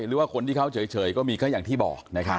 หรือว่าคนที่เขาเฉยก็มีก็อย่างที่บอกนะครับ